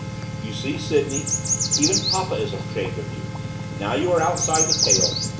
'You see, Sydney, even papa is ashamed of you; now you are outside the pale.